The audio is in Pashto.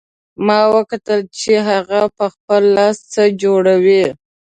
ما وکتل چې هغه په خپل لاس څه جوړوي